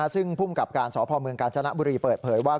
รุ่นกับการศพกจบุรีเปิดเผยว่า